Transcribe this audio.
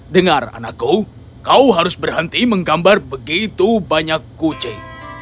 dengar anakku kau harus berhenti menggambar begitu banyak kucing